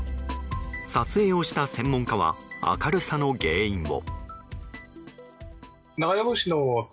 撮影をした専門家は明るさの原因を。